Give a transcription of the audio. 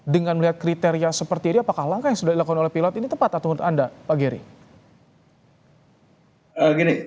dengan melihat kriteria seperti ini apakah langkah yang sudah dilakukan oleh pilot ini tepat atau menurut anda pak geri